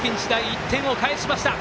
１点を返しました。